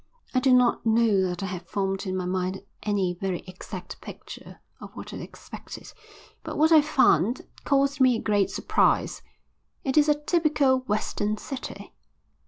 I do not know that I had formed in my mind any very exact picture of what I expected, but what I found caused me a great surprise. It is a typical western city.